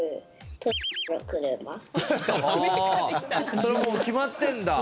それもう決まってんだ。